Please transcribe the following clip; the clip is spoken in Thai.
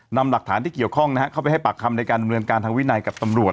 นำหลักฐานที่เกี่ยวข้องเข้าไปให้ปากคำในการดำเนินการทางวินัยกับตำรวจ